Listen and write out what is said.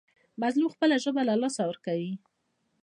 مظلوم خپله ژبه له لاسه ورکوي.